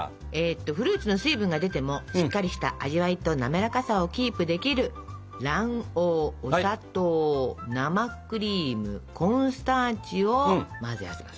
フルーツの水分が出てもしっかりした味わいとなめらかさをキープできる卵黄お砂糖生クリームコーンスターチを混ぜ合わせます。